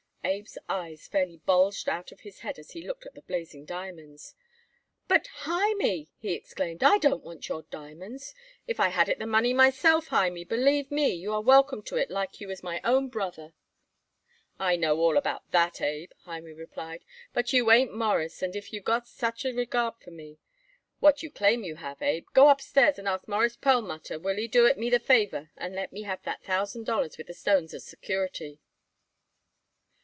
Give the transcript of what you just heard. Abe's eyes fairly bulged out of his head as he looked at the blazing diamonds. "But, Hymie," he exclaimed, "I don't want your diamonds. If I had it the money myself, Hymie, believe me, you are welcome to it like you was my own brother." "I know all about that, Abe," Hymie replied, "but you ain't Mawruss, and if you got such a regard for me what you claim you have, Abe, go upstairs and ask Mawruss Perlmutter will he do it me the favor and let me have that thousand dollars with the stones as security."